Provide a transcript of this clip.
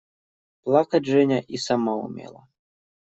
Плакать Женя и сама умела.